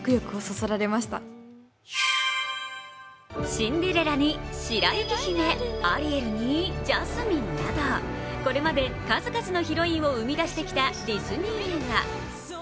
シンデレラの白雪姫、アリエルにジャスミンなど、これまで数々のヒロインを生み出してきたディズニー映画。